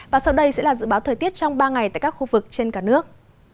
và sau đây sẽ là dự báo thời tiết trong ba ngày tại các khu vực trên cả nước